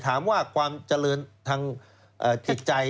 ถามว่าความเจริญเงินทางกิจใจ